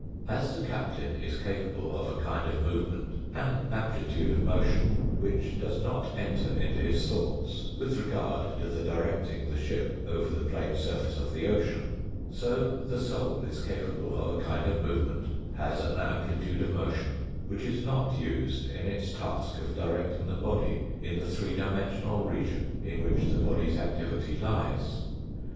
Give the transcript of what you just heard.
As the captain is capable of a kind of movement, an amplitude of motion, which does not enter into his thoughts with regard to the APPENDIX II 257 directing the ship over the plane surface of the ocean, so the soul is capable of a kind of movement, has an ampli tude of motion, which is not used in its task of directing the body in the three dimensional region in which the body's activity lies.